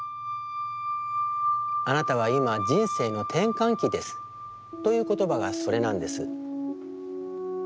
「あなたは今人生の転換期です」という言葉がそれなんです。